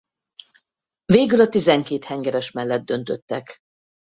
Végül a tizenkét hengeres mellett döntöttek.